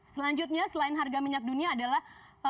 selanjutnya selain harga minyak dunia adalah